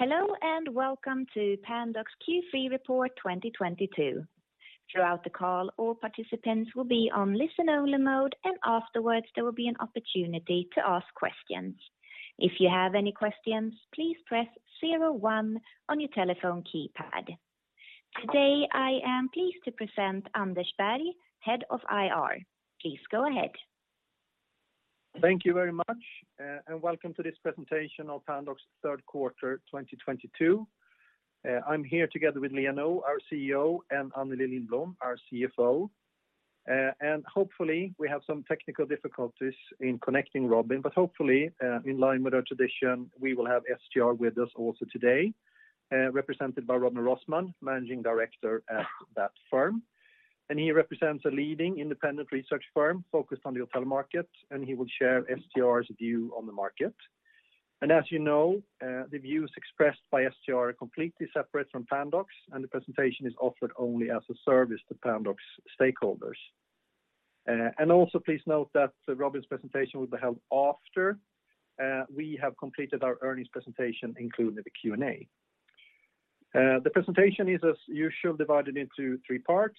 Hello, and welcome to Pandox Q3 Report 2022. Throughout the call, all participants will be on listen-only mode, and afterwards there will be an opportunity to ask questions. If you have any questions, please press zero one on your telephone keypad. Today, I am pleased to present Anders Berg, Head of IR. Please go ahead. Thank you very much, and welcome to this presentation of Pandox Q3 2022. I'm here together with Liia Nõu, our CEO, and Anneli Lindblom, our CFO. Hopefully, in line with our tradition, we will have STR with us also today, represented by Robin Rossmann, Managing Director at that firm. He represents a leading independent research firm focused on the hotel market, and he will share STR's view on the market. As you know, the views expressed by STR are completely separate from Pandox, and the presentation is offered only as a service to Pandox stakeholders. Also please note that Robin's presentation will be held after we have completed our earnings presentation, including the Q&A. The presentation is as usual divided into three parts.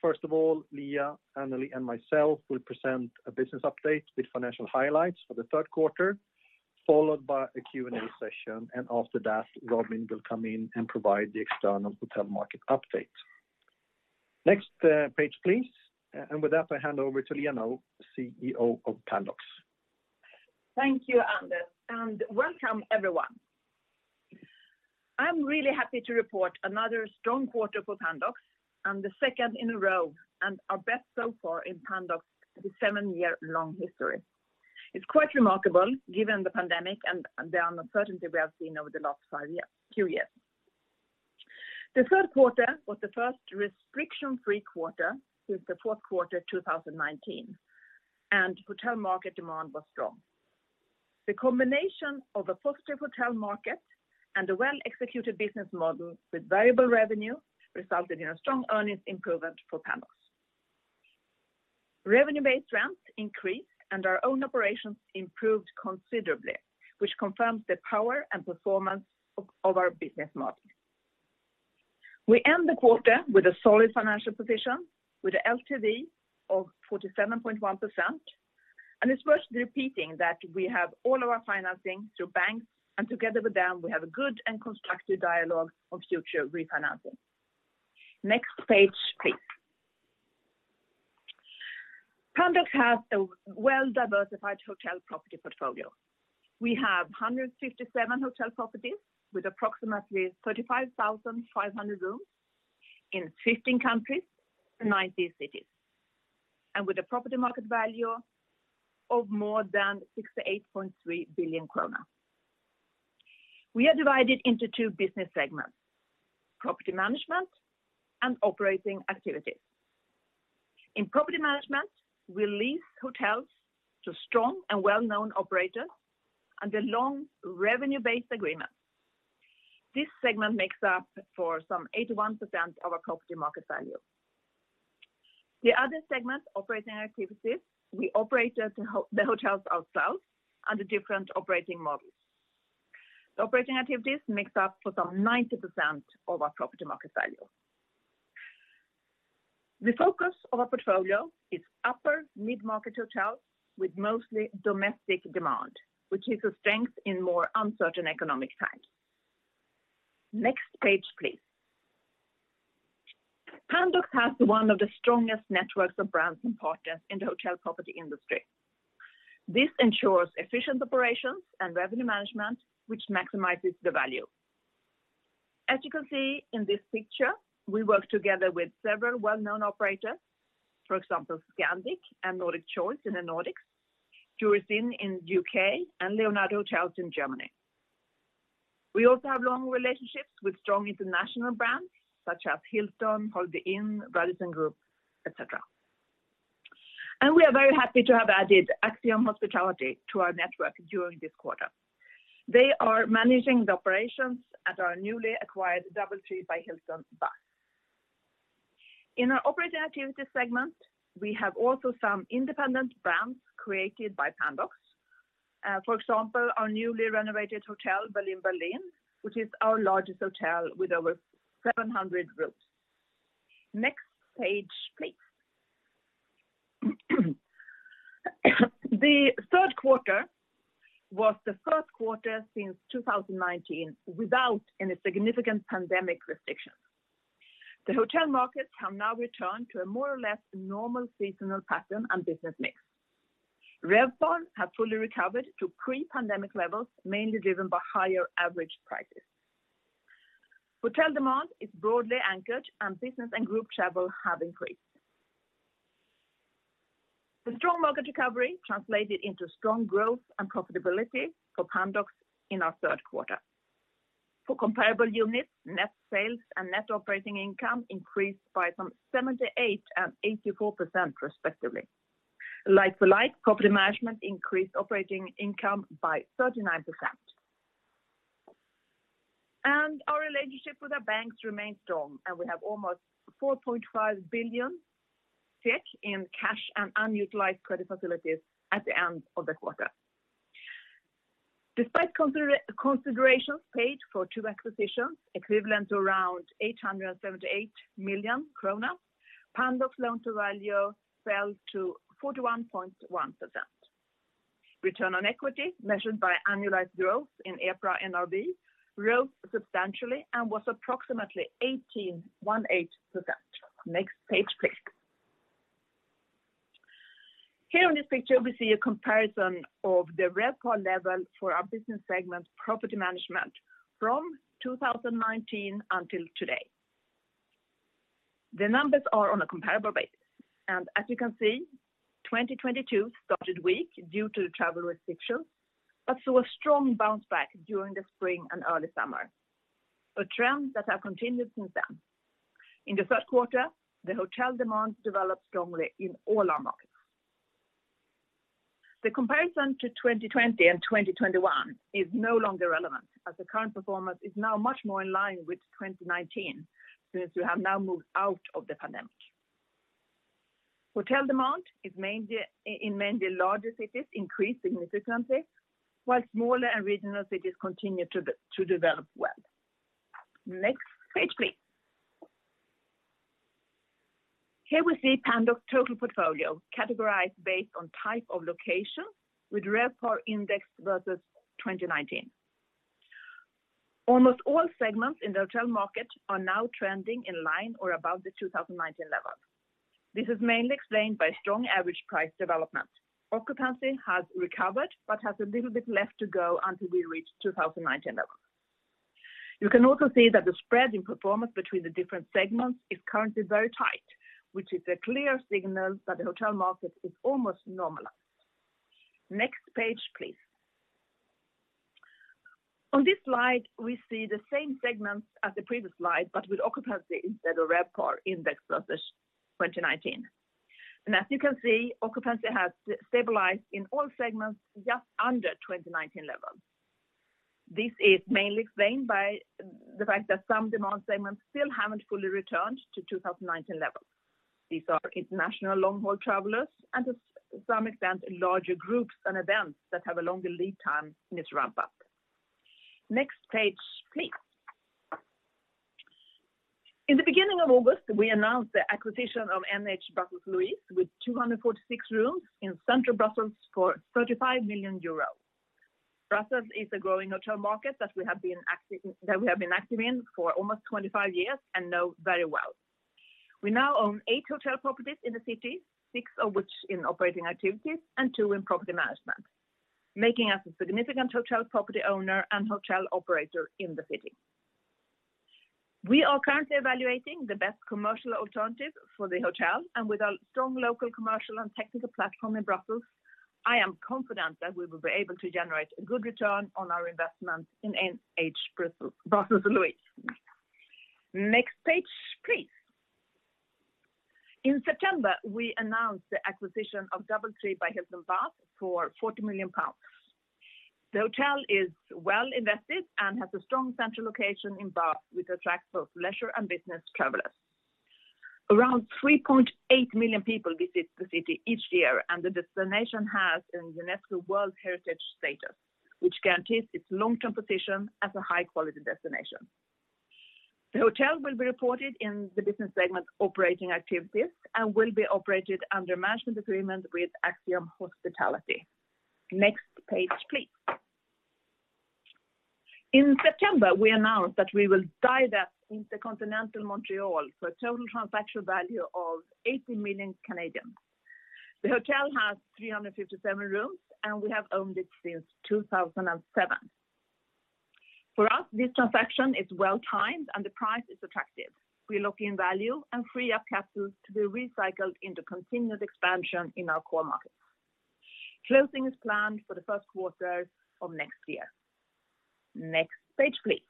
First of all, Liia, Anneli, and myself will present a business update with financial highlights for the third quarter, followed by a Q&A session. After that, Robin will come in and provide the external hotel market update. Next, page, please. With that, I hand over to Liia Nõu, CEO of Pandox. Thank you, Anders, and welcome everyone. I'm really happy to report another strong quarter for Pandox, and the second in a row, and our best so far in Pandox's seven-year long history. It's quite remarkable given the pandemic and the uncertainty we have seen over the last two years. The third quarter was the first restriction-free quarter since the fourth quarter 2019, and hotel market demand was strong. The combination of a stronger hotel market and a well-executed business model with variable revenue resulted in a strong earnings improvement for Pandox. Revenue-based rents increased, and our own operations improved considerably, which confirms the power and performance of our business model. We end the quarter with a solid financial position with LTV of 47.1%. It's worth repeating that we have all of our financing through banks, and together with them we have a good and constructive dialogue on future refinancing. Next page, please. Pandox has a well-diversified hotel property portfolio. We have 157 hotel properties with approximately 35,500 rooms in 15 countries and 90 cities, and with a property market value of more than 68.3 billion krona. We are divided into two business segments, property management and operating activities. In property management, we lease hotels to strong and well-known operators under long revenue-based agreements. This segment makes up for some 81% of our property market value. The other segment, operating activities, we operate the hotels ourselves under different operating models. The operating activities makes up for some 90% of our property market value. The focus of our portfolio is upper-mid-market hotels with mostly domestic demand, which is a strength in more uncertain economic times. Next page, please. Pandox has one of the strongest networks of brands and partners in the hotel property industry. This ensures efficient operations and revenue management, which maximizes the value. As you can see in this picture, we work together with several well-known operators. For example, Scandic and Nordic Choice in the Nordics, Jurys Inn in U.K., and Leonardo Hotels in Germany. We also have long relationships with strong international brands such as Hilton, Holiday Inn, Radisson Hotel Group, et cetera. We are very happy to have added Axiom Hospitality to our network during this quarter. They are managing the operations at our newly acquired DoubleTree by Hilton Bath. In our operating activities segment, we have also some independent brands created by Pandox. For example, our newly renovated Hotel Berlin, which is our largest hotel with over 700 rooms. Next page, please. The third quarter was the first quarter since 2019 without any significant pandemic restrictions. The hotel markets have now returned to a more or less normal seasonal pattern and business mix. RevPAR have fully recovered to pre-pandemic levels, mainly driven by higher average prices. Hotel demand is broadly anchored, and business and group travel have increased. The strong market recovery translated into strong growth and profitability for Pandox in our third quarter. For comparable units, net sales and net operating income increased by some 78% and 84% respectively. Like for like, property management increased operating income by 39%. Our relationship with our banks remains strong, and we have almost 4.5 billion in cash and unutilized credit facilities at the end of the quarter. Despite considerations paid for two acquisitions equivalent to around 878 million krona, Pandox loan to value fell to 41.1%. Return on equity measured by annualized growth in EPRA NRV grew substantially and was approximately 18.18%. Next page, please. Here on this picture, we see a comparison of the RevPAR level for our business segment Property Management from 2019 until today. The numbers are on a comparable basis, and as you can see, 2022 started weak due to travel restrictions, but saw a strong bounce back during the spring and early summer, a trend that has continued since then. In the third quarter, the hotel demand developed strongly in all our markets. The comparison to 2020 and 2021 is no longer relevant, as the current performance is now much more in line with 2019 since we have now moved out of the pandemic. Hotel demand in many larger cities increased significantly, while smaller and regional cities continue to develop well. Next page, please. Here we see Pandox total portfolio categorized based on type of location with RevPAR index versus 2019. Almost all segments in the hotel market are now trending in line or above the 2019 level. This is mainly explained by strong average price development. Occupancy has recovered but has a little bit left to go until we reach 2019 level. You can also see that the spread in performance between the different segments is currently very tight, which is a clear signal that the hotel market is almost normalized. Next page, please. On this slide, we see the same segments as the previous slide, but with occupancy instead of RevPAR index versus 2019. As you can see, occupancy has stabilized in all segments just under 2019 level. This is mainly explained by the fact that some demand segments still haven't fully returned to 2019 level. These are international long-haul travelers and to some extent, larger groups and events that have a longer lead time in its ramp up. Next page, please. In the beginning of August, we announced the acquisition of NH Brussels Louise with 246 rooms in central Brussels for 35 million euros. Brussels is a growing hotel market that we have been active in for almost 25 years and know very well. We now own eight hotel properties in the city, six of which in operating activities and two in property management, making us a significant hotel property owner and hotel operator in the city. We are currently evaluating the best commercial alternative for the hotel, and with our strong local commercial and technical platform in Brussels, I am confident that we will be able to generate a good return on our investment in NH Brussels Louise. Next page, please. In September, we announced the acquisition of DoubleTree by Hilton Bath for 40 million pounds. The hotel is well invested and has a strong central location in Bath, which attracts both leisure and business travelers. Around 3.8 million people visit the city each year, and the destination has a UNESCO World Heritage status, which guarantees its long-term position as a high-quality destination. The hotel will be reported in the business segment operating activities and will be operated under management agreement with Axiom Hospitality. Next page, please. In September, we announced that we will divest InterContinental Montreal for a total transaction value of 80 million. The hotel has 357 rooms, and we have owned it since 2007. For us, this transaction is well timed, and the price is attractive. We lock in value and free up capital to be recycled into continued expansion in our core markets. Closing is planned for the first quarter of next year. Next page, please.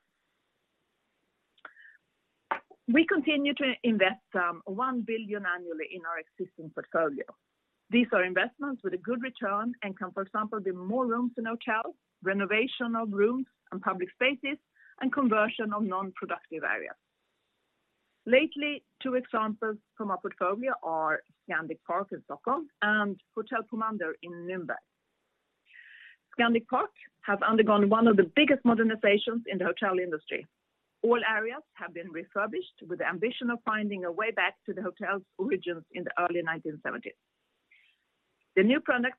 We continue to invest 1 billion annually in our existing portfolio. These are investments with a good return and can, for example, be more rooms in hotels, renovation of rooms and public spaces, and conversion of non-productive areas. Lately, two examples from our portfolio are Scandic Park in Stockholm and Hotel Pomander in Nuremberg. Scandic Park have undergone one of the biggest modernizations in the hotel industry. All areas have been refurbished with the ambition of finding a way back to the hotel's origins in the early 1970s. The new products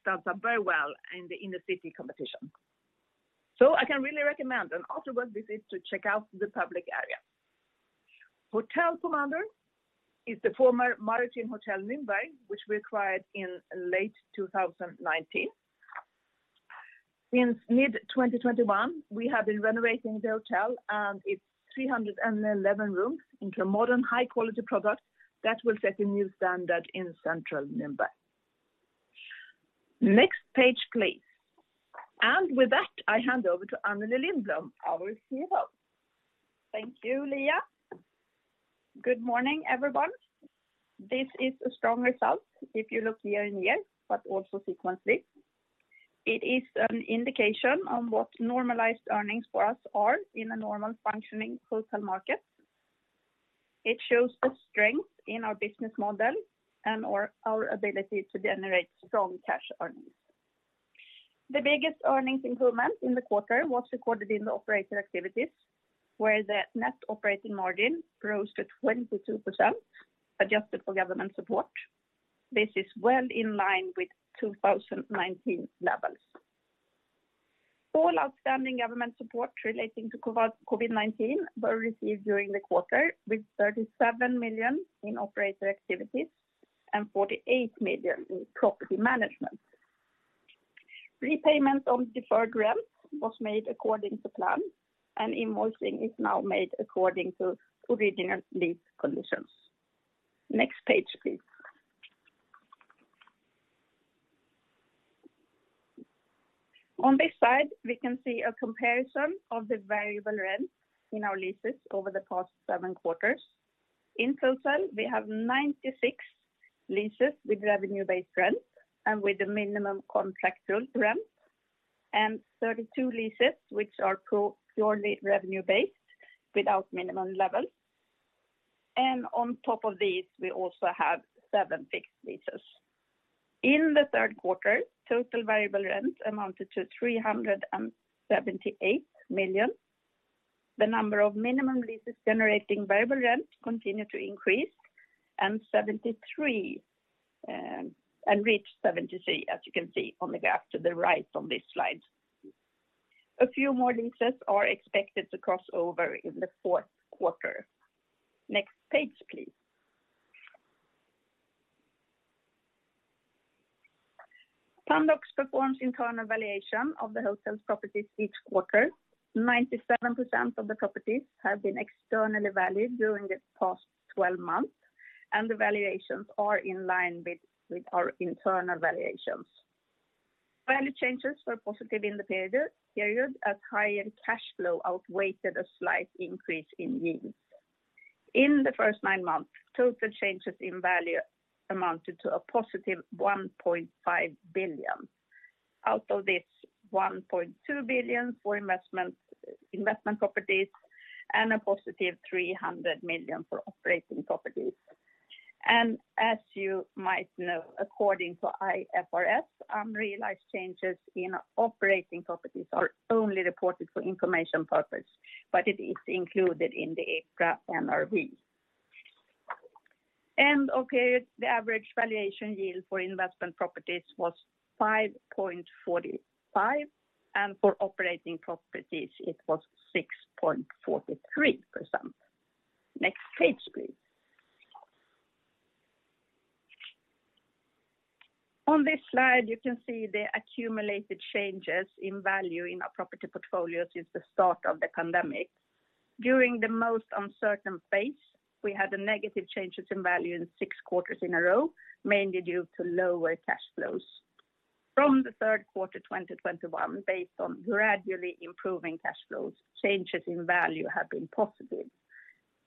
start up very well in the inner-city competition. I can really recommend an after-work visit to check out the public area. Hotel Pomander is the former Maritim Hotel Nuremberg, which we acquired in late 2019. Since mid-2021, we have been renovating the hotel and its 311 rooms into a modern high-quality product that will set a new standard in central Nuremberg. Next page, please. With that, I hand over to Anneli Lindblom, our CEO. Thank you, Liia. Good morning, everyone. This is a strong result if you look year-over-year, but also sequentially. It is an indication on what normalized earnings for us are in a normal functioning hotel market. It shows the strength in our business model and our ability to generate strong cash earnings. The biggest earnings improvement in the quarter was recorded in the operator activities, where the net operating margin rose to 22%, adjusted for government support. This is well in line with 2019 levels. All outstanding government support relating to COVID-19 were received during the quarter, with 37 million in operator activities and 48 million in property management. Repayment on deferred rent was made according to plan, and invoicing is now made according to original lease conditions. Next page, please. On this slide, we can see a comparison of the variable rent in our leases over the past seven quarters. In total, we have 96 leases with revenue-based rent and with the minimum contractual rent, and 32 leases which are purely revenue-based without minimum levels. On top of these, we also have seven fixed leases. In the third quarter, total variable rent amounted to 378 million. The number of minimum leases generating variable rent continued to increase and reached 73, as you can see on the graph to the right on this slide. A few more leases are expected to cross over in the fourth quarter. Next page, please. Pandox performs internal valuation of the hotel properties each quarter. 97% of the properties have been externally valued during the past 12 months, and the valuations are in line with our internal valuations. Value changes were positive in the period as higher cash flow outweighed a slight increase in yields. In the first nine months, total changes in value amounted to a positive 1.5 billion. Out of this, 1.2 billion for investment properties and a positive 300 million for operating properties. As you might know, according to IFRS, unrealized changes in operating properties are only reported for information purposes, but it is included in the EPRA NRV. Okay, the average valuation yield for investment properties was 5.45%, and for operating properties, it was 6.43%. Next page, please. On this slide, you can see the accumulated changes in value in our property portfolio since the start of the pandemic. During the most un certain phase, we had the negative changes in value in six quarters in a row, mainly due to lower cash flows. From the third quarter, 2021, based on gradually improving cash flows, changes in value have been positive.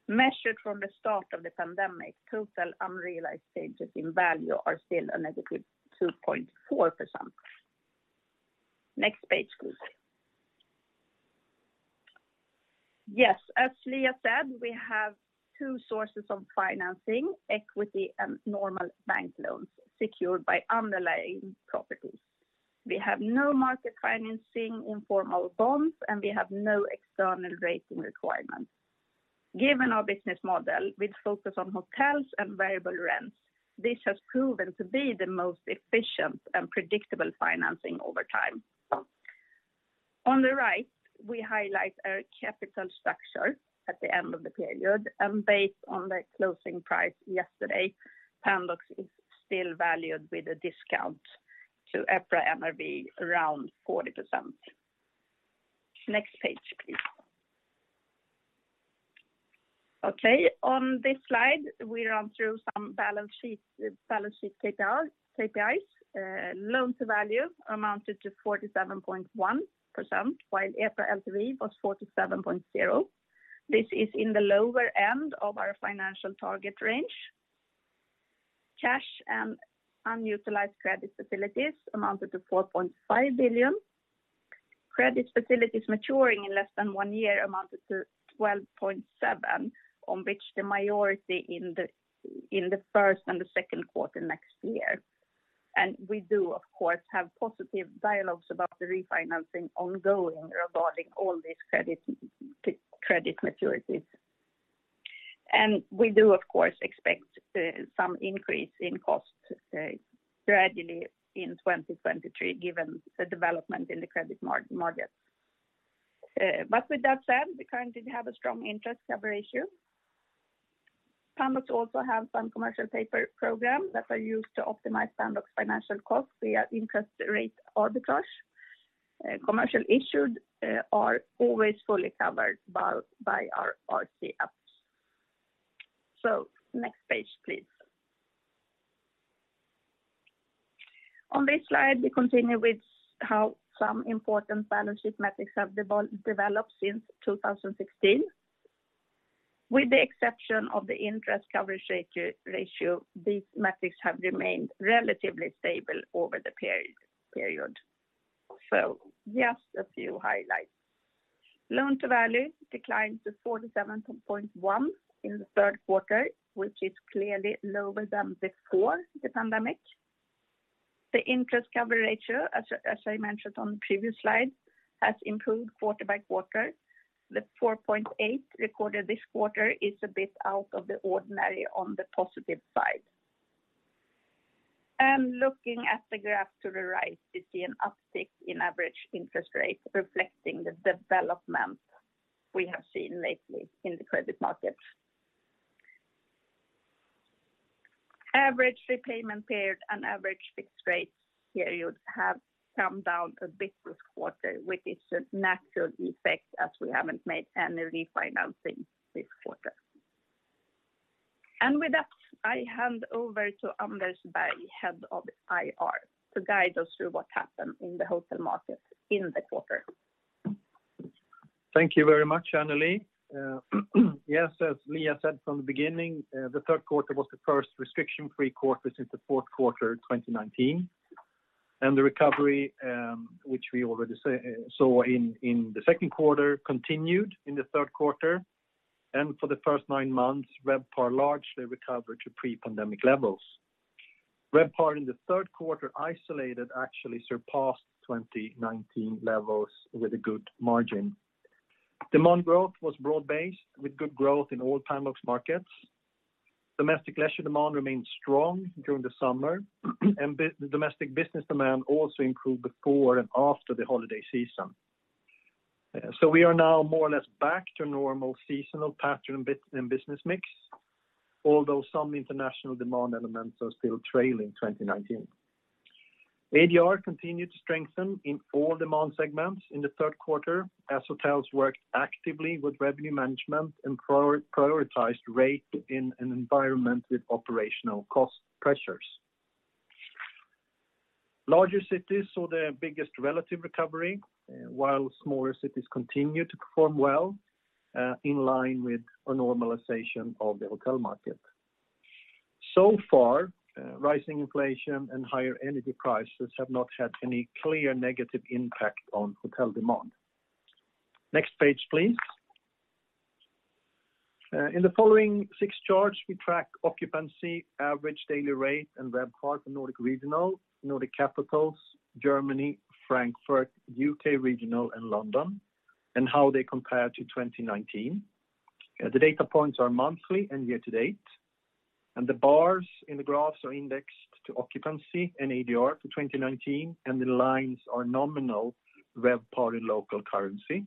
Measured from the start of the pandemic, total unrealized changes in value are still a negative 2.4%. Next page, please. Yes. As Liia Nõu said, we have two sources of financing: equity and normal bank loans secured by underlying properties. We have no market financing in formal bonds, and we have no external rating requirements. Given our business model, which focus on hotels and variable rents, this has proven to be the most efficient and predictable financing over time. On the right, we highlight our capital structure at the end of the period. Based on the closing price yesterday, Pandox is still valued with a discount to EPRA NRV around 40%. Next page, please. Okay. On this slide, we run through some balance sheet KPIs. Loan-to-value amounted to 47.1%, while EPRA LTV was 47.0%. This is in the lower end of our financial target range. Cash and unutilized credit facilities amounted to 4.5 billion. Credit facilities maturing in less than one year amounted to 12.7 billion, on which the majority in the first and the second quarter next year. We do, of course, have positive dialogues about the refinancing ongoing regarding all these credit maturities. We do, of course, expect some increase in costs gradually in 2023, given the development in the credit market. But with that said, we currently have a strong interest coverage ratio. Pandox also have some commercial paper program that are used to optimize Pandox financial costs via interest rate arbitrage. Commercial paper issued are always fully covered by our RCFs. Next page, please. On this slide, we continue with how some important balance sheet metrics have developed since 2016. With the exception of the interest coverage ratio, these metrics have remained relatively stable over the period. Just a few highlights. Loan-to-value declined to 47.1 in the third quarter, which is clearly lower than before the pandemic. The interest coverage ratio, as I mentioned on the previous slide, has improved quarter by quarter. The 4.8 recorded this quarter is a bit out of the ordinary on the positive side. Looking at the graph to the right, we see an uptick in average interest rates reflecting the development we have seen lately in the credit markets. Average repayment period and average fixed rates period have come down a bit this quarter, which is a natural effect as we haven't made any refinancing this quarter. With that, I hand over to Anders Berg, Head of IR, to guide us through what happened in the hotel market in the quarter. Thank you very much, Anneli. Yes, as Liia said from the beginning, the third quarter was the first restriction-free quarter since the fourth quarter of 2019. The recovery, which we already saw in the second quarter continued in the third quarter. For the first nine months, RevPAR largely recovered to pre-pandemic levels. RevPAR in the third quarter isolated actually surpassed 2019 levels with a good margin. Demand growth was broad-based with good growth in all Pandox markets. Domestic leisure demand remained strong during the summer. The domestic business demand also improved before and after the holiday season. We are now more or less back to normal seasonal pattern in business mix, although some international demand elements are still trailing 2019. ADR continued to strengthen in all demand segments in the third quarter as hotels worked actively with revenue management and prioritized rate in an environment with operational cost pressures. Larger cities saw their biggest relative recovery, while smaller cities continued to perform well, in line with a normalization of the hotel market. So far, rising inflation and higher energy prices have not had any clear negative impact on hotel demand. Next page, please. In the following six charts, we track occupancy, average daily rate, and RevPAR for Nordic regional, Nordic capitals, Germany, Frankfurt, UK regional, and London, and how they compare to 2019. The data points are monthly and year to date. The bars in the graphs are indexed to occupancy and ADR for 2019, and the lines are nominal RevPAR in local currency,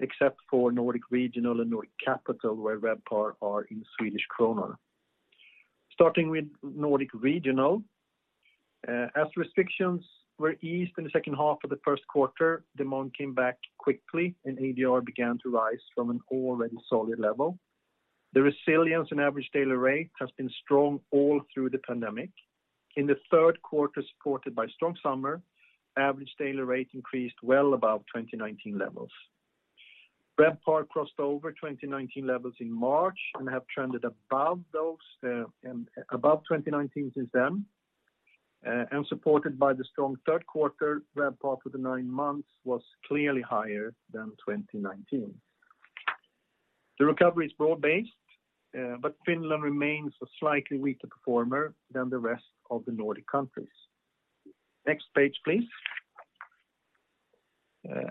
except for Nordic regional and Nordic capital, where RevPAR are in Swedish krona. Starting with Nordic regional. As restrictions were eased in the second half of the first quarter, demand came back quickly and ADR began to rise from an already solid level. The resilience in average daily rate has been strong all through the pandemic. In the third quarter, supported by strong summer, average daily rate increased well above 2019 levels. RevPAR crossed over 2019 levels in March and have trended above those, and above 2019 since then. Supported by the strong third quarter, RevPAR for the nine months was clearly higher than 2019. The recovery is broad-based, but Finland remains a slightly weaker performer than the rest of the Nordic countries. Next page, please.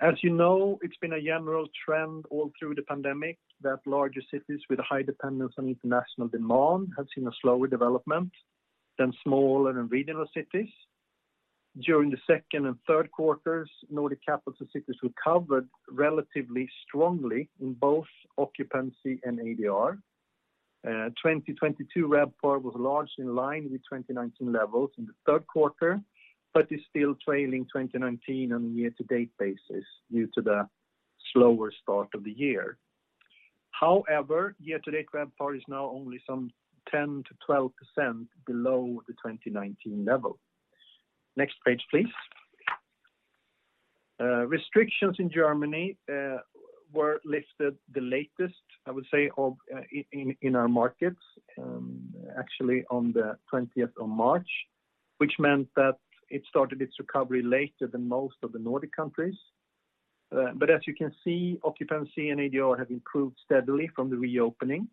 As you know, it's been a general trend all through the pandemic that larger cities with a high dependence on international demand have seen a slower development than smaller and regional cities. During the second and third quarters, Nordic capital cities recovered relatively strongly in both occupancy and ADR. 2022 RevPAR was largely in line with 2019 levels in the third quarter, but is still trailing 2019 on a year to date basis due to the slower start of the year. However, year to date RevPAR is now only some 10%-12% below the 2019 level. Next page, please. Restrictions in Germany were lifted the latest, I would say, of in our markets actually on the twentieth of March, which meant that it started its recovery later than most of the Nordic countries. As you can see, occupancy and ADR have improved steadily from the reopening.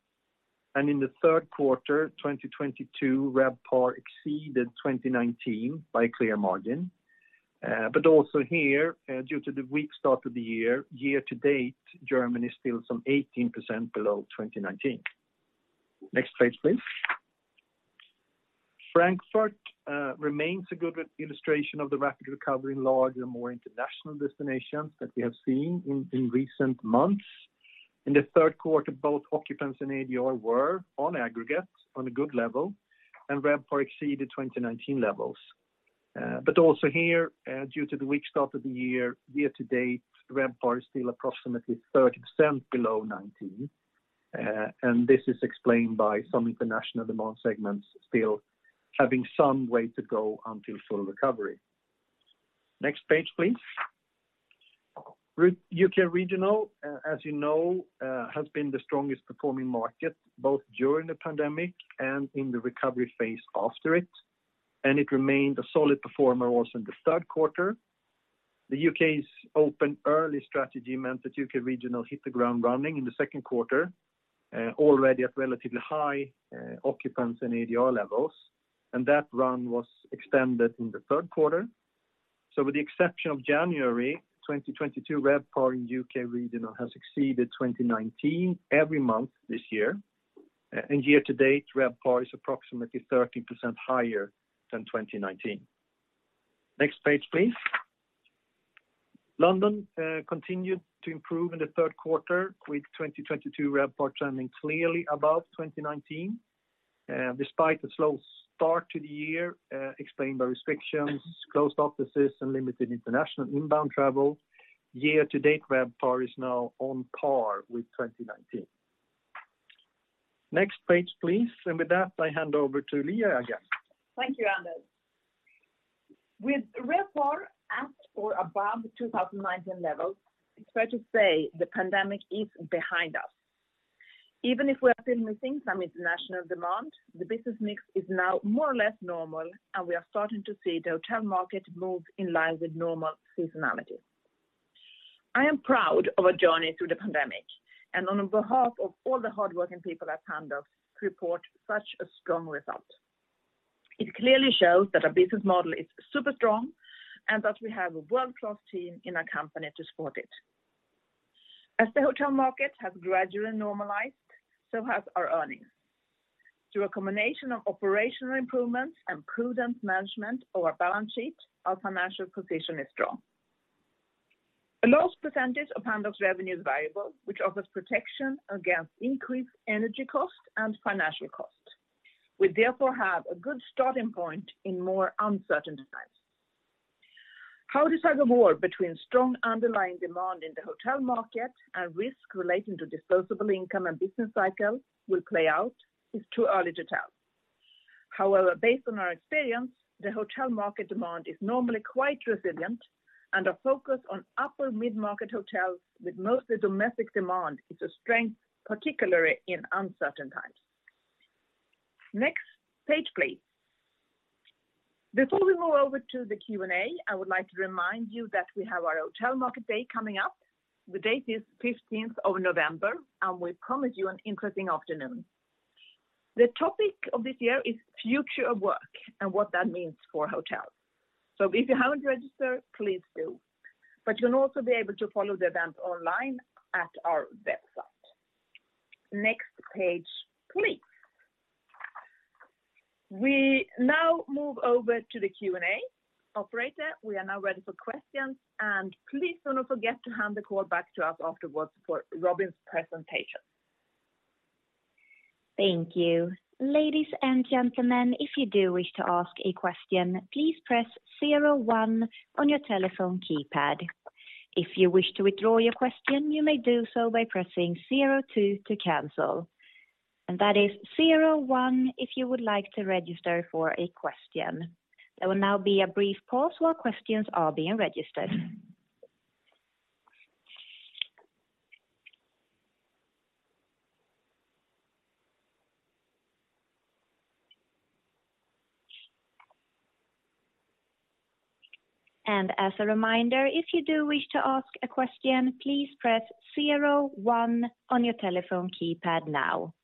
In the third quarter, 2022 RevPAR exceeded 2019 by a clear margin. Also here, due to the weak start of the year to date, Germany is still some 18% below 2019. Next page, please. Frankfurt remains a good illustration of the rapid recovery in large and more international destinations that we have seen in recent months. In the third quarter, both occupancy and ADR were on aggregate on a good level, and RevPAR exceeded 2019 levels. Also here, due to the weak start of the year to date, RevPAR is still approximately 30% below 2019. This is explained by some international demand segments still having some way to go until full recovery. Next page, please. UK regional, as you know, has been the strongest performing market both during the pandemic and in the recovery phase after it, and it remained a solid performer also in the third quarter. The UK's open early strategy meant that UK regional hit the ground running in the second quarter, already at relatively high occupancy and ADR levels, and that run was extended in the third quarter. With the exception of January 2022, RevPAR in UK regional has exceeded 2019 every month this year. Year to date, RevPAR is approximately 13% higher than 2019. Next page, please. London continued to improve in the third quarter with 2022 RevPAR trending clearly above 2019. Despite a slow start to the year, explained by restrictions, closed offices, and limited international inbound travel, year-to-date RevPAR is now on par with 2019. Next page, please. With that, I hand over to Liia Nõu again. Thank you, Anders. With RevPAR at or above 2019 levels, it's fair to say the pandemic is behind us. Even if we have been missing some international demand, the business mix is now more or less normal, and we are starting to see the hotel market move in line with normal seasonality. I am proud of our journey through the pandemic, and on behalf of all the hardworking people at Pandox who report such a strong result. It clearly shows that our business model is super strong and that we have a world-class team in our company to support it. As the hotel market has gradually normalized, so has our earnings. Through a combination of operational improvements and prudent management of our balance sheet, our financial position is strong. A large percentage of Pandox revenue is variable, which offers protection against increased energy costs and financial costs. We therefore have a good starting point in more uncertain times. How this tug of war between strong underlying demand in the hotel market and risk relating to disposable income and business cycle will play out is too early to tell. However, based on our experience, the hotel market demand is normally quite resilient, and our focus on upper mid-market hotels with mostly domestic demand is a strength, particularly in uncertain times. Next page, please. Before we move over to the Q&A, I would like to remind you that we have our Hotel Market Day coming up. The date is fifteenth of November, and we promise you an interesting afternoon. The topic of this year is future of work and what that means for hotels. If you haven't registered, please do. You'll also be able to follow the event online at our website. Next page, please. We now move over to the Q&A. Operator, we are now ready for questions, and please do not forget to hand the call back to us afterwards for Robin's presentation. Thank you. Ladies and gentlemen, if you do wish to ask a question, please press zero one on your telephone keypad. If you wish to withdraw your question, you may do so by pressing zero two to cancel. That is zero one if you would like to register for a question. There will now be a brief pause while questions are being registered. As a reminder, if you do wish to ask a question, please press zero one on your telephone keypad now.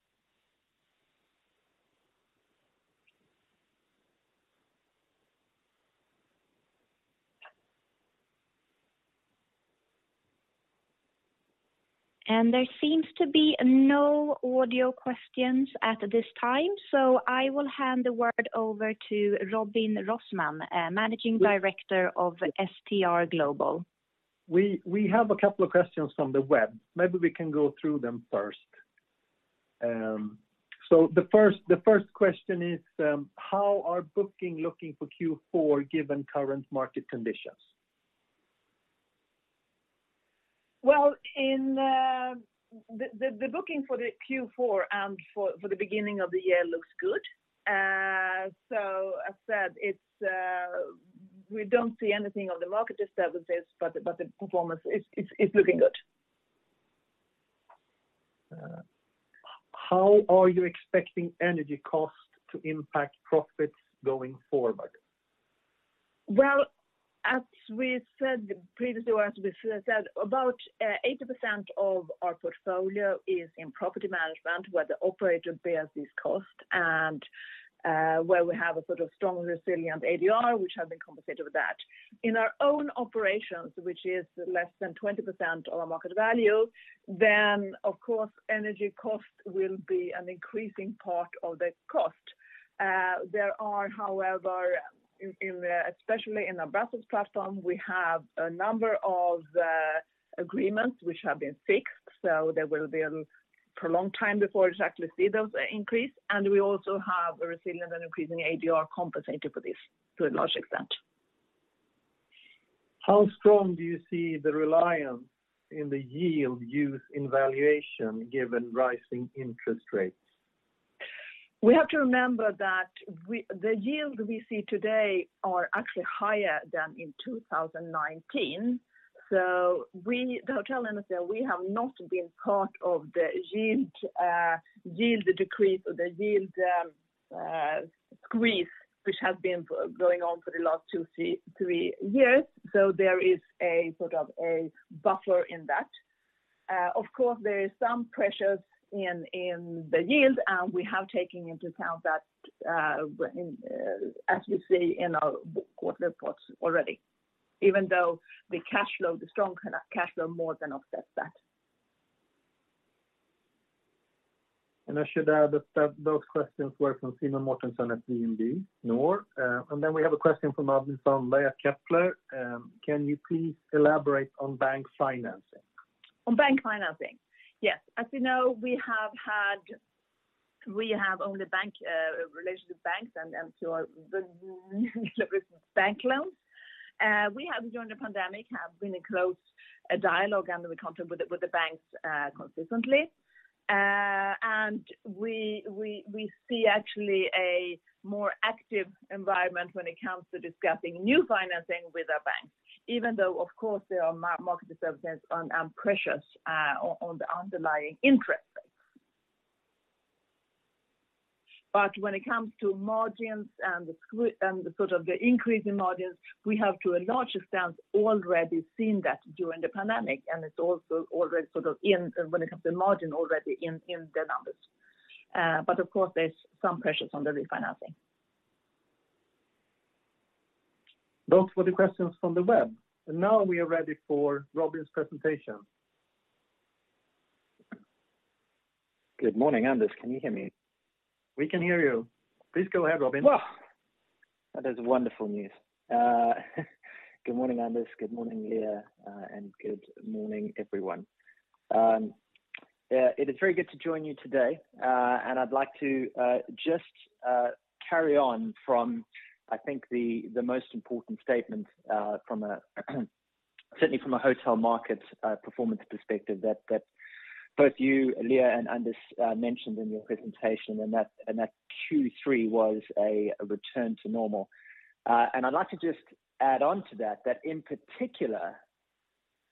There seems to be no audio questions at this time, so I will hand the word over to Robin Rossmann, Managing Director of STR. We have a couple of questions from the web. Maybe we can go through them first. The first question is, how are bookings looking for Q4 given current market conditions? Well, the booking for the Q4 and for the beginning of the year looks good. As said, we don't see anything on the market disturbances, but the performance is looking good. How are you expecting energy costs to impact profits going forward? Well, as we said, about 80% of our portfolio is in property management, where the operator bears these costs and where we have a sort of strong resilient ADR, which has been compensated with that. In our own operations, which is less than 20% of our market value, then of course, energy costs will be an increasing part of the cost. There are, however, especially in our Brussels platform, we have a number of agreements which have been fixed, so there will be a prolonged time before we exactly see those increase. We also have a resilient and increasing ADR compensated for this to a large extent. How strong do you see the reliance in the yield used in valuation given rising interest rates? We have to remember that the yield we see today are actually higher than in 2019. The hotel industry, we have not been part of the yield decrease or the yield squeeze, which has been going on for the last two-three years. There is a sort of a buffer in that. Of course, there is some pressures in the yield, and we have taken into account that, as you see in our quarter reports already. Even though the cash flow, the strong kinda cash flow more than offsets that. I should add that those questions were from Simen Mortensen at DNB. We have a question from Anders Sandli at Kepler. Can you please elaborate on bank financing? On bank financing? Yes. As you know, we have only bank relationship banks and so the bank loans. We have during the pandemic been in close dialogue, and we're confident with the banks consistently. We see actually a more active environment when it comes to discussing new financing with our banks. Even though, of course, there are market disturbance and pressures on the underlying interest rates. When it comes to margins and the sort of increase in margins, we have to a large extent already seen that during the pandemic, and it's also already sort of when it comes to margin already in the numbers. Of course, there's some pressures on the refinancing. Those were the questions from the web. Now we are ready for Robin's presentation. Good morning, Anders. Can you hear me? We can hear you. Please go ahead, Robin. Well, that is wonderful news. Good morning, Anders. Good morning, Liia. Good morning, everyone. It is very good to join you today. I'd like to just carry on from, I think the most important statement from a certainly from a hotel market performance perspective that both you, Liia, and Anders mentioned in your presentation, and that Q3 was a return to normal. I'd like to just add on to that in particular,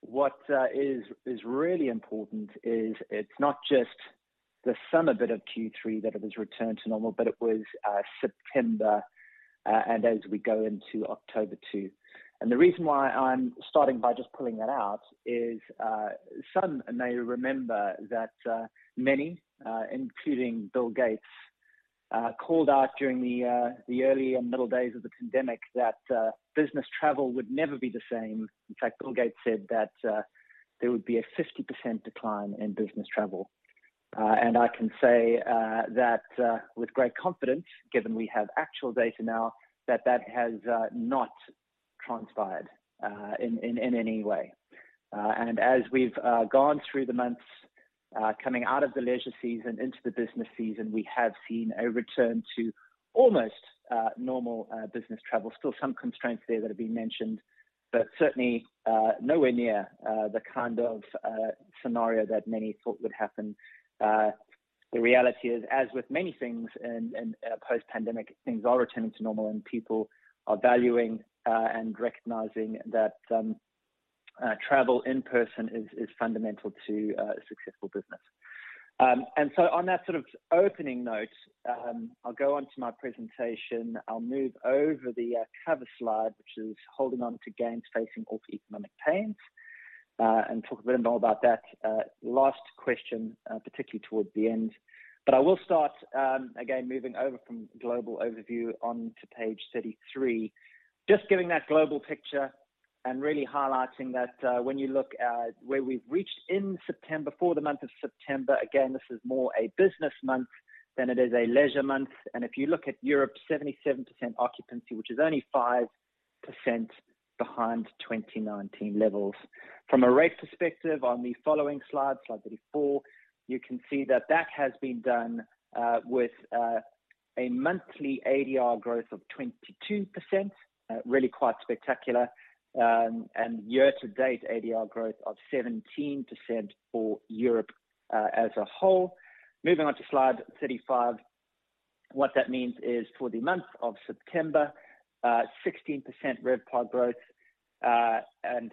what is really important is it's not just the summer bit of Q3 that it was returned to normal, but it was September, and as we go into October too. The reason why I'm starting by just pulling that out is, some may remember that, many, including Bill Gates, called out during the early and middle days of the pandemic that business travel would never be the same. In fact, Bill Gates said that there would be a 50% decline in business travel. I can say with great confidence, given we have actual data now, that has not transpired in any way. As we've gone through the months coming out of the leisure season into the business season, we have seen a return to almost normal business travel. Still some constraints there that have been mentioned, but certainly nowhere near the kind of scenario that many thought would happen. The reality is, as with many things in post-pandemic, things are returning to normal, and people are valuing and recognizing that travel in person is fundamental to a successful business. On that sort of opening note, I'll go on to my presentation. I'll move over the cover slide, which is holding on to gains, facing economic pains, and talk a bit more about that last question, particularly towards the end. I will start again, moving over from global overview onto page 33. Just giving that global picture and really highlighting that when you look at where we've reached in September, for the month of September, again, this is more a business month than it is a leisure month. If you look at Europe, 77% occupancy, which is only 5% behind 2019 levels. From a rate perspective on the following slide 34, you can see that has been done with a monthly ADR growth of 22%, really quite spectacular, and year-to-date ADR growth of 17% for Europe as a whole. Moving on to slide 35. What that means is for the month of September, 16% RevPAR growth, and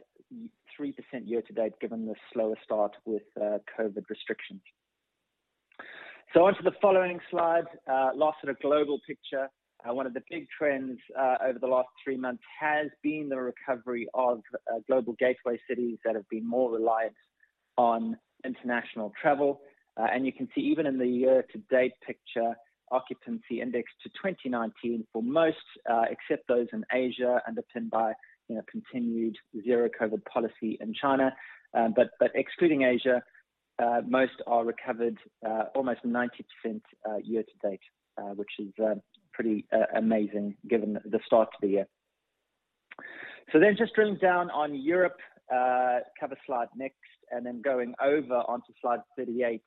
3% year-to-date, given the slower start with COVID restrictions. Onto the following slide, last sort of global picture. One of the big trends over the last three months has been the recovery of global gateway cities that have been more reliant on international travel. You can see even in the year-to-date picture, occupancy index to 2019 for most, except those in Asia and underpinned by, you know, continued zero COVID-19 policy in China. Excluding Asia, most are recovered almost 90% year-to-date, which is pretty amazing given the start to the year. Just drilling down on Europe, cover slide next, and then going over onto slide 38.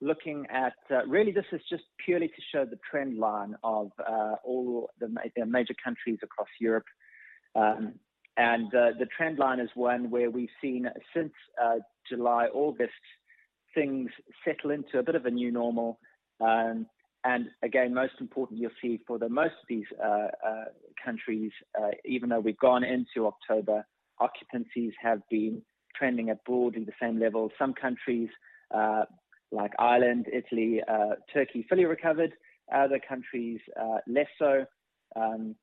Looking at. Really this is just purely to show the trend line of all the major countries across Europe. The trend line is one where we've seen since July, August, things settle into a bit of a new normal. Most important, you'll see for the most of these countries, even though we've gone into October, occupancies have been trending at broadly the same level. Some countries like Ireland, Italy, Turkey fully recovered. Other countries less so and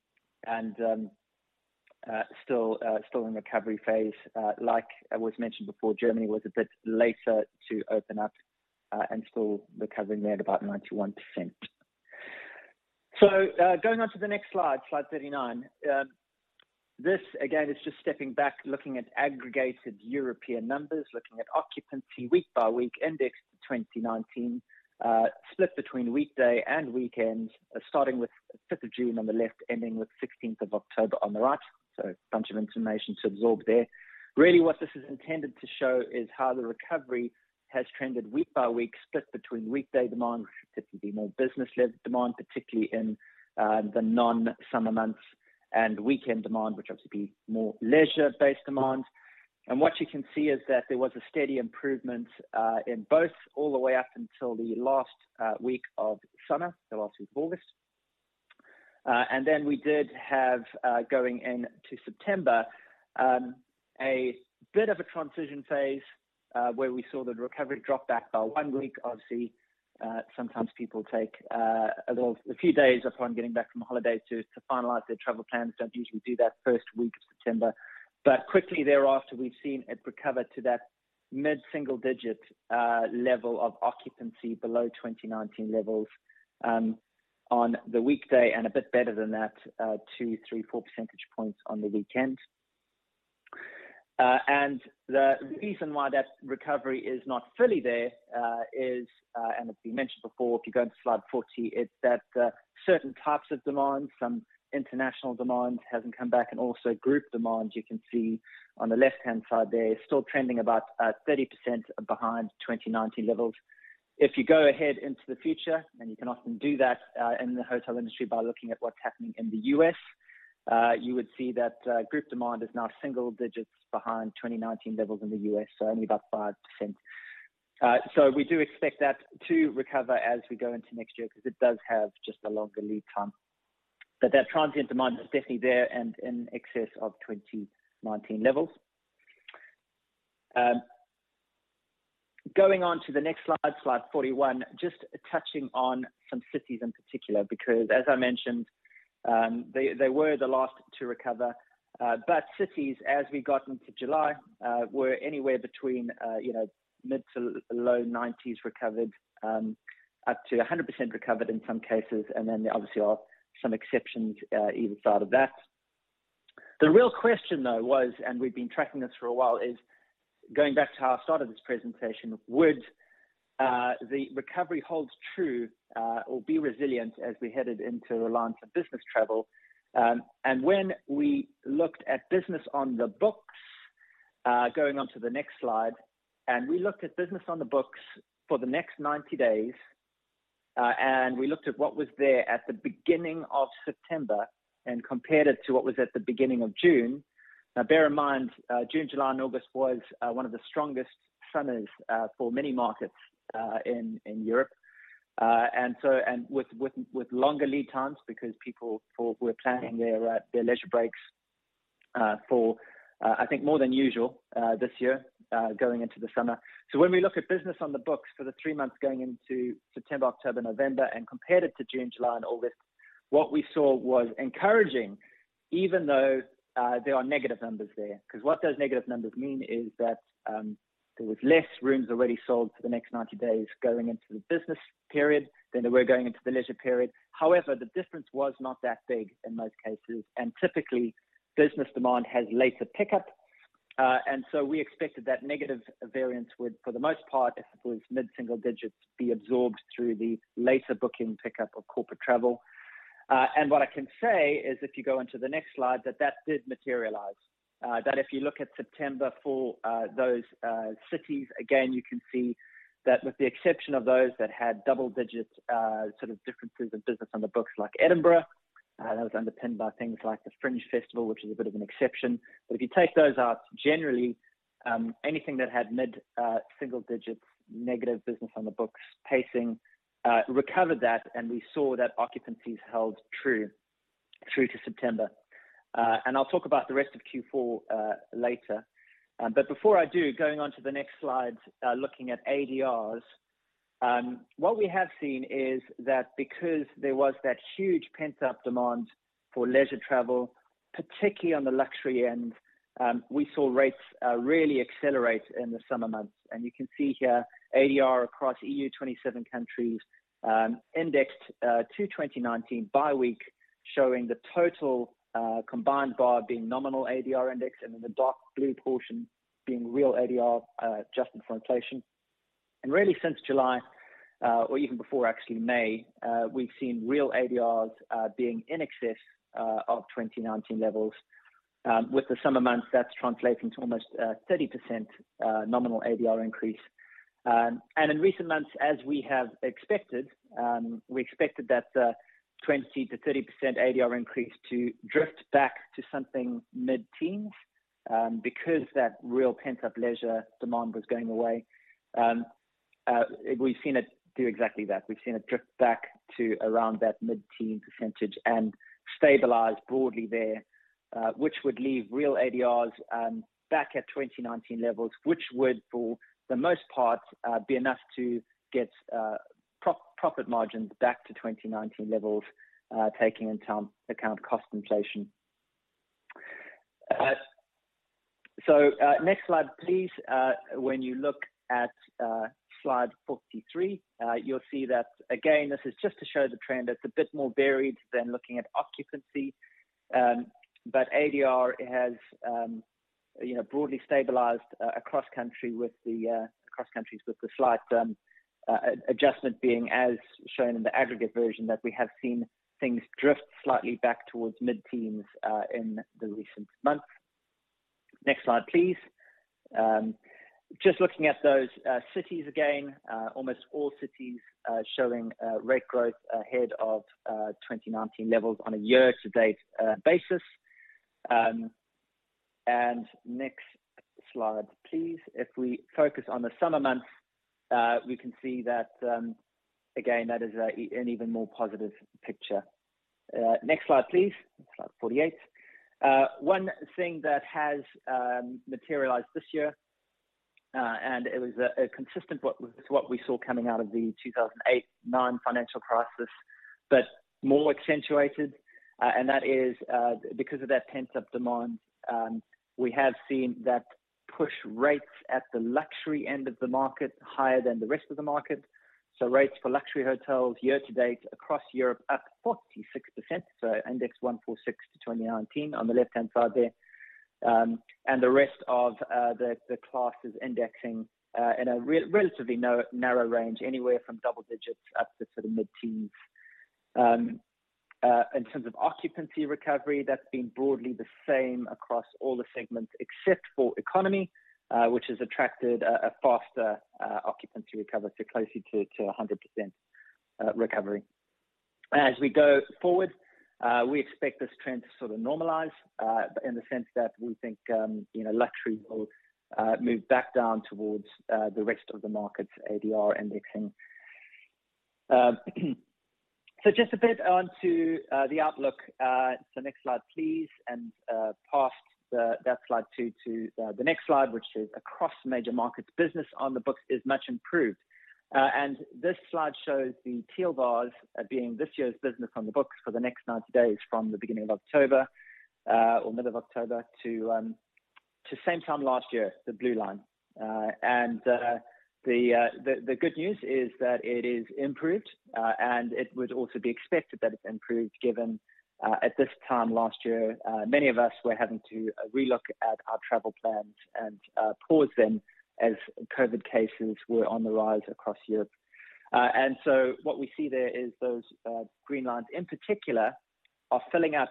still in recovery phase. Like was mentioned before, Germany was a bit later to open up and still recovering there at about 91%. Going on to the next slide 39. This again is just stepping back, looking at aggregated European numbers, looking at occupancy week by week indexed to 2019 split between weekday and weekend, starting with the fifth of June on the left, ending with sixteenth of October on the right. A bunch of information to absorb there. Really what this is intended to show is how the recovery has trended week by week, split between weekday demand, which happens to be more business-led demand, particularly in the non-summer months, and weekend demand, which happens to be more leisure-based demand. What you can see is that there was a steady improvement in both all the way up until the last week of summer. The last week of August. Then we did have going into September a bit of a transition phase where we saw the recovery drop back by one week. Obviously, sometimes people take a few days upon getting back from holiday to finalize their travel plans. Don't usually do that first week of September. Quickly thereafter, we've seen it recover to that mid-single digit level of occupancy below 2019 levels on the weekday, and a bit better than that, 2-4 percentage points on the weekend. The reason why that recovery is not fully there is as we mentioned before, if you go into slide 40, it's that certain types of demand, some international demand hasn't come back. Also group demand, you can see on the left-hand side there, is still trending about 30% behind 2019 levels. If you go ahead into the future, and you can often do that in the hotel industry by looking at what's happening in the U.S., you would see that group demand is now single digits behind 2019 levels in the U.S., so only about 5%. We do expect that to recover as we go into next year because it does have just a longer lead time. That transient demand is definitely there and in excess of 2019 levels. Going on to the next slide 41. Just touching on some cities in particular, because as I mentioned, they were the last to recover. Cities as we got into July were anywhere between you know, mid- to low 90s% recovered, up to 100% recovered in some cases. There obviously are some exceptions either side of that. The real question though was, and we've been tracking this for a while, is going back to how I started this presentation. Would the recovery hold true or be resilient as we headed into reliance on business travel? When we looked at business on the books, going on to the next slide, we looked at business on the books for the next 90 days. We looked at what was there at the beginning of September and compared it to what was at the beginning of June. Now bear in mind, June, July and August was one of the strongest summers for many markets in Europe. With longer lead times because people were planning their leisure breaks for I think more than usual this year going into the summer. When we look at business on the books for the three months going into September, October, November, and compared it to June, July, and August, what we saw was encouraging, even though there are negative numbers there. Because what those negative numbers mean is that there was less rooms already sold for the next 90 days going into the business period than there were going into the leisure period. However, the difference was not that big in most cases. Typically business demand has later pickup. We expected that negative variance would, for the most part, if it was mid-single digits, be absorbed through the later booking pickup of corporate travel. What I can say is, if you go onto the next slide, that that did materialize. That if you look at September for those cities, again, you can see that with the exception of those that had double digits sort of differences in business on the books like Edinburgh, that was underpinned by things like the Fringe Festival, which is a bit of an exception. If you take those out, generally, anything that had mid single digits negative business on the books pacing recovered that, and we saw that occupancies held true through to September. I'll talk about the rest of Q4 later. Before I do, going on to the next slide, looking at ADRs. What we have seen is that because there was that huge pent-up demand for leisure travel, particularly on the luxury end, we saw rates really accelerate in the summer months. You can see here ADR across E.U. 27 countries, indexed to 2019 by week, showing the total combined bar being nominal ADR indexed and then the dark blue portion being real ADR adjusted for inflation. Really since July or even before actually May, we've seen real ADRs being in excess of 2019 levels with the summer months, that's translating to almost 30% nominal ADR increase. In recent months, as we have expected, we expected that 20%-30% ADR increase to drift back to something mid-teens because that real pent-up leisure demand was going away. We've seen it do exactly that. We've seen it drift back to around that mid-teen % and stabilize broadly there, which would leave real ADRs back at 2019 levels, which would, for the most part, be enough to get profit margins back to 2019 levels, taking into account cost inflation. Next slide, please. When you look at slide 43, you'll see that again, this is just to show the trend. It's a bit more varied than looking at occupancy. ADR has, you know, broadly stabilized across countries with the slight adjustment being as shown in the aggregate version that we have seen things drift slightly back towards mid-teens % in the recent months. Next slide, please. Just looking at those cities again. Almost all cities showing rate growth ahead of 2019 levels on a year-to-date basis. Next slide, please. If we focus on the summer months, we can see that again, that is an even more positive picture. Next slide, please. Slide 48. One thing that has materialized this year and it was consistent with what we saw coming out of the 2008 financial crisis, but more accentuated and that is because of that pent-up demand. We have seen that push rates at the luxury end of the market higher than the rest of the market. Rates for luxury hotels year-to-date across Europe, up 46%. Index 146 to 2019 on the left-hand side there. The rest of the classes indexing in a relatively narrow range, anywhere from double digits up to sort of mid-teens. In terms of occupancy recovery, that's been broadly the same across all the segments, except for economy, which has attracted a faster occupancy recovery, so close to 100% recovery. As we go forward, we expect this trend to sort of normalize, in the sense that we think, you know, luxury will move back down towards the rest of the market's ADR indexing. Just a bit onto the outlook. Next slide, please. Past that slide too to the next slide, which is across major markets, business on the books is much improved. This slide shows the teal bars being this year's business on the books for the next 90 days from the beginning of October or middle of October to the same time last year, the blue line. The good news is that it is improved, and it would also be expected that it's improved given at this time last year many of us were having to relook at our travel plans and pause them as COVID cases were on the rise across Europe. What we see there is those green lines in particular are filling up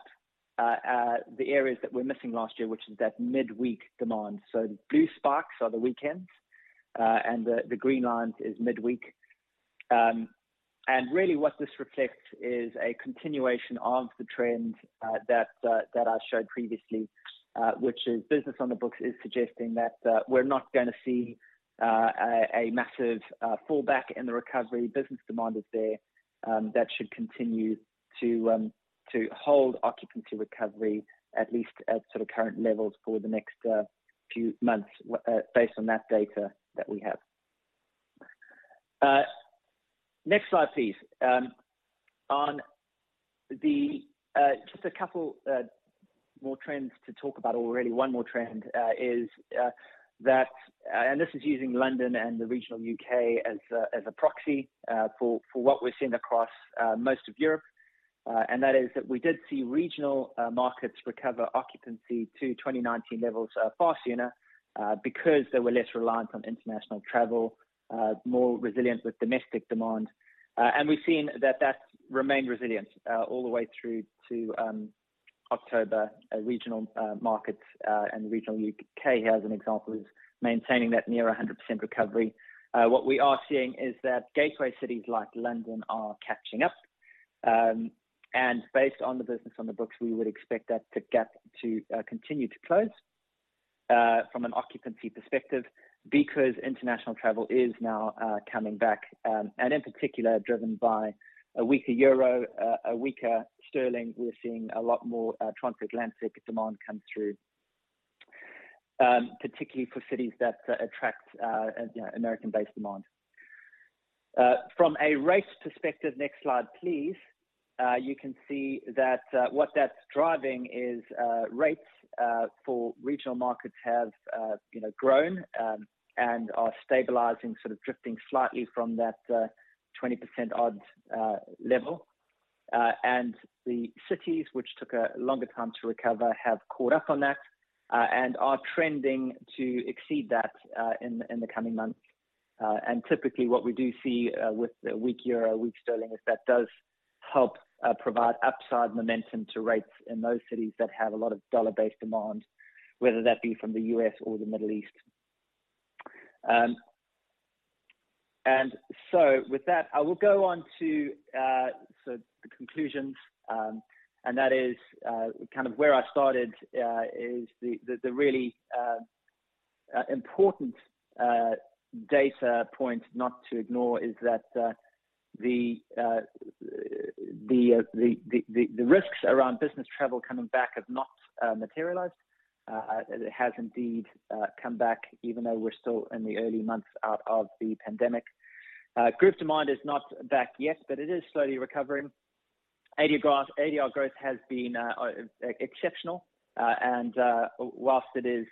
the areas that we're missing last year, which is that midweek demand. The blue spikes are the weekends, and the green line is midweek. Really what this reflects is a continuation of the trend that I showed previously, which is business on the books is suggesting that we're not gonna see a massive fallback in the recovery. Business demand is there that should continue to hold occupancy recovery, at least at sort of current levels for the next few months based on that data that we have. Next slide, please. On the just a couple more trends to talk about or really one more trend is that this is using London and the regional U.K. as a proxy for what we're seeing across most of Europe. That we did see regional markets recover occupancy to 2019 levels far sooner because they were less reliant on international travel more resilient with domestic demand. We've seen that remained resilient all the way through to October. Regional markets and regional U.K., As an example, is maintaining that near 100% recovery. What we are seeing is that gateway cities like London are catching up. Based on the business on the books, we would expect that the gap to continue to close from an occupancy perspective because international travel is now coming back and in particular, driven by a weaker euro, a weaker sterling. We're seeing a lot more transatlantic demand come through, particularly for cities that attract, you know, American-based demand. From a rate perspective, next slide, please. You can see that what that's driving is rates for regional markets have, you know, grown and are stabilizing, sort of drifting slightly from that 20% odd level. The cities which took a longer time to recover have caught up on that and are trending to exceed that in the coming months. Typically what we do see with a weak euro, weak sterling, is that does help provide upside momentum to rates in those cities that have a lot of dollar-based demand, whether that be from the U.S. or the Middle East. With that, I will go on to the conclusions, and that is kind of where I started. The really important data point not to ignore is that the risks around business travel coming back have not materialized. It has indeed come back even though we're still in the early months out of the pandemic. Group demand is not back yet, but it is slowly recovering. ADR growth has been exceptional, and while it is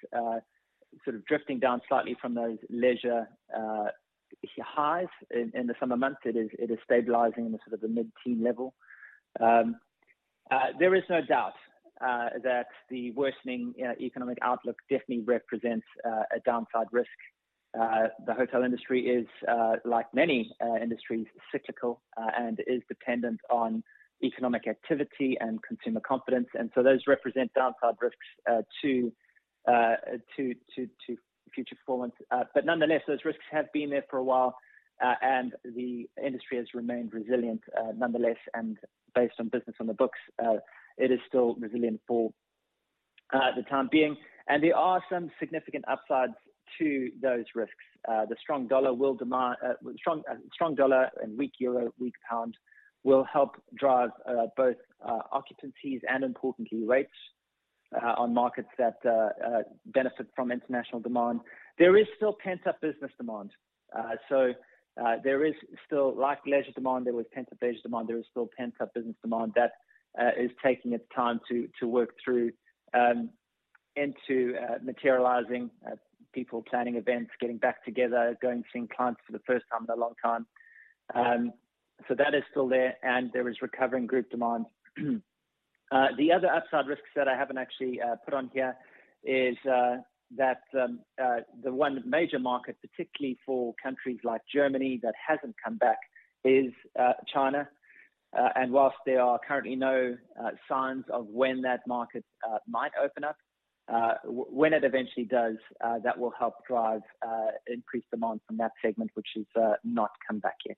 sort of drifting down slightly from those leisure highs in the summer months, it is stabilizing in the sort of mid-teen level. There is no doubt that the worsening economic outlook definitely represents a downside risk. The hotel industry is, like many industries, cyclical and is dependent on economic activity and consumer confidence. Those represent downside risks to future performance. Nonetheless, those risks have been there for a while, and the industry has remained resilient nonetheless. Based on business on the books, it is still resilient for the time being. There are some significant upsides to those risks. The strong dollar and weak euro, weak pound will help drive both occupancies and importantly rates on markets that benefit from international demand. There is still pent-up business demand. There is still like leisure demand. There was pent-up leisure demand. There is still pent-up business demand that is taking its time to work through into materializing, people planning events, getting back together, going seeing clients for the first time in a long time. That is still there, and there is recovering group demand. The other upside risks that I haven't actually put on here is that the one major market, particularly for countries like Germany that hasn't come back is China. While there are currently no signs of when that market might open up, when it eventually does, that will help drive increased demand from that segment, which is not come back yet.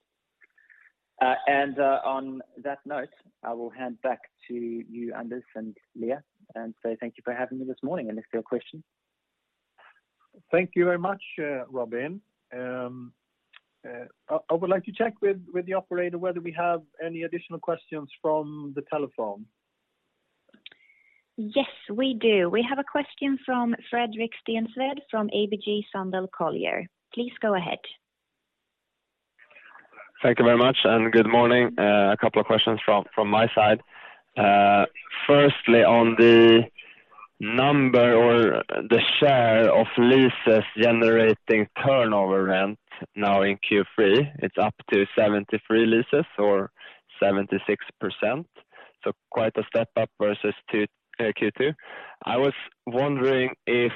On that note, I will hand back to you, Anders and Liia, and say thank you for having me this morning. Unless there are questions. Thank you very much, Robin. I would like to check with the operator whether we have any additional questions from the telephone. Yes, we do. We have a question from Fredrik Stensved from ABG Sundal Collier. Please go ahead. Thank you very much. Good morning. A couple of questions from my side. Firstly, on the number or the share of leases generating turnover rent now in Q3, it's up to 73 leases or 76%. Quite a step up versus Q2. I was wondering if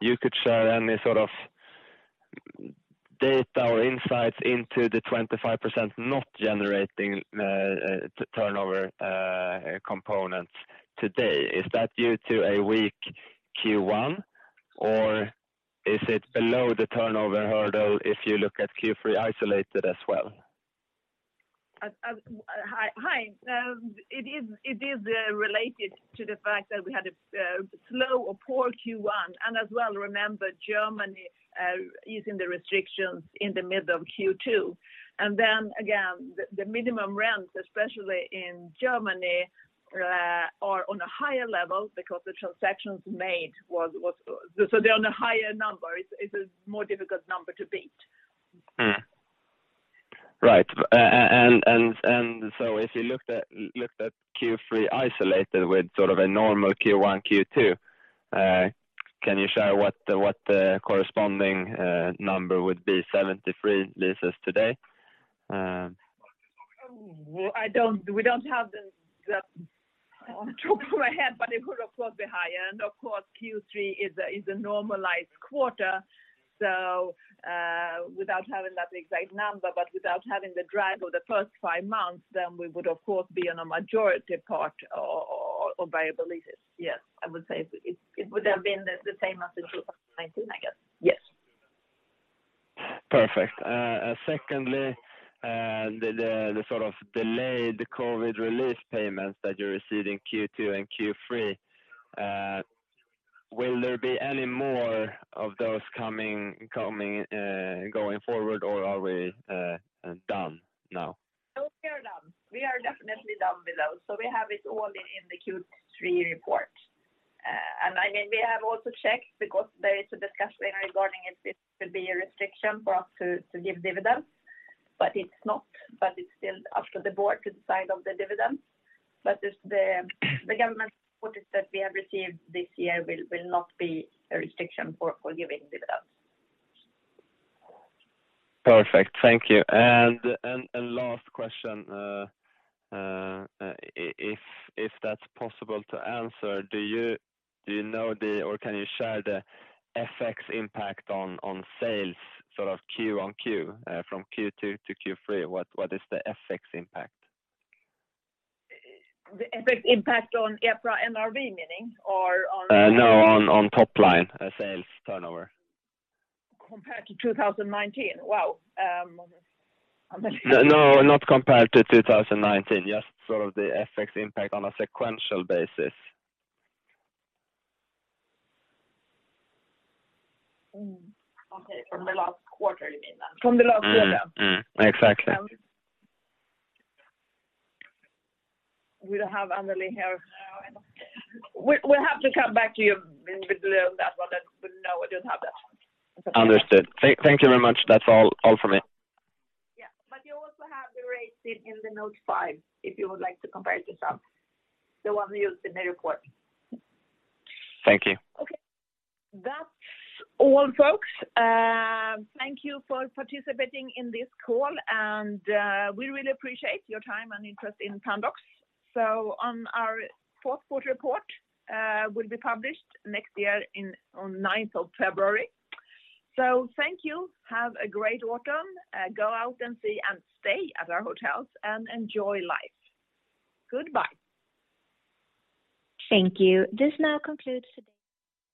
you could share any sort of data or insights into the 25% not generating turnover components today. Is that due to a weak Q1, or is it below the turnover hurdle if you look at Q3 isolated as well? It is related to the fact that we had a slow or poor Q1, and as well remember Germany easing the restrictions in the middle of Q2. Then again, the minimum rents, especially in Germany, are on a higher level because the transactions made was so they're on a higher number. It is more difficult number to beat. Right. If you looked at Q3 isolated with sort of a normal Q1, Q2, can you share what the corresponding number would be? 73 leases today. Well, we don't have it on the top of my head. But it would of course be higher. Of course, Q3 is a normalized quarter. Without having that exact number, but without having the drag of the first five months, then we would of course be on a majority part of available leases. Yes. I would say it would have been the same as in 2019, I guess. Yes. Perfect. Secondly, the sort of delayed COVID relief payments that you're receiving Q2 and Q3, will there be any more of those coming going forward, or are we done now? No, we are done. We are definitely done with those. We have it all in the Q3 report. I mean, we have also checked because there is a discussion regarding if this could be a restriction for us to give dividends, but it's not. It's still up to the board to decide on the dividends. The government support that we have received this year will not be a restriction for giving dividends. Perfect. Thank you. Last question. If that's possible to answer, do you know or can you share the FX impact on sales sort of Q on Q from Q2 to Q3? What is the FX impact? The FX impact on EPRA NRV, meaning or on No, on top line, sales turnover. Compared to 2019? Wow. No, not compared to 2019, just sort of the FX impact on a sequential basis. Okay. From the last quarter you mean then? From the last quarter. Mm-hmm. Mm-hmm. Exactly. We don't have Anneli here. No. We have to come back to you with that one. No, we don't have that. Understood. Thank you very much. That's all from me. Yeah. You also have the rates in the note five if you would like to compare to some. The one used in the report. Thank you. Okay. That's all, folks. Thank you for participating in this call, and we really appreciate your time and interest in Pandox. Our fourth quarter report will be published next year on ninth of February. Thank you. Have a great autumn. Go out and see and stay at our hotels and enjoy life. Goodbye. Thank you. This now concludes today's.